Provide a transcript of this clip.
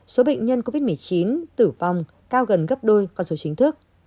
số bệnh nhân covid một mươi chín tử vong cao gần gấp đôi con số chính thức